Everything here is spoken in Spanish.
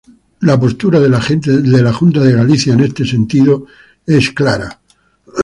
La postura de la Junta de Galicia en ese sentido es clara.